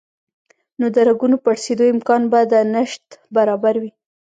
نو د رګونو پړسېدو امکان به د نشت برابر وي